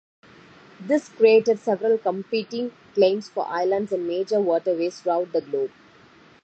This created several competing claims for islands in major waterways throughout the globe.